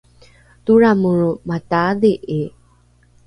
toramoro mataadhi’i